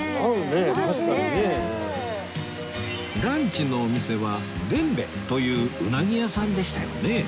ランチのお店は傳米といううなぎ屋さんでしたよね？